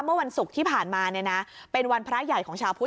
เมื่อวันศุกร์ที่ผ่านมาเนี่ยนะเป็นวันพระใหญ่ของชาวพุทธ